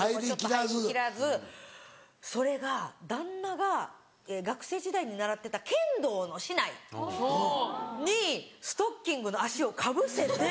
入りきらずそれが旦那が学生時代に習ってた剣道の竹刀にストッキングの足をかぶせて。